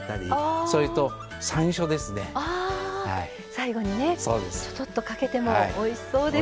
最後にねちょっとかけてもおいしそうです。